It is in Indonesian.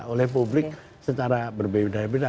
oleh publik secara berbeda beda